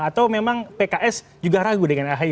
atau memang pks juga ragu dengan ahy